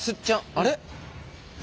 あれ？